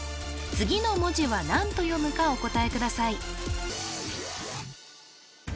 次の文字は何と読むかお答えください